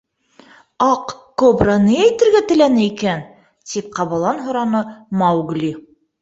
— Аҡ кобра ни әйтергә теләне икән? — тип ҡабалан һораны Маугли.